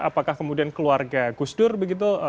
apakah kemudian keluarga gusdur begitu